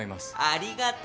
ありがと。